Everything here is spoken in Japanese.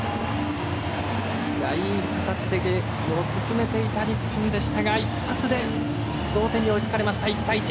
いい形でゲームを進めていた日本でしたが一発で同点に追いつかれました１対１。